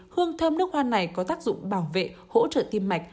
hương thơm nước hoa này có tác dụng bảo vệ hỗ trợ tim mạch